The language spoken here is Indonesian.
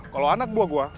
kalau anak buah buah